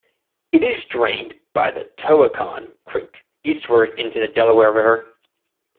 It is drained by the Tohickon Creek eastward into the Delaware River.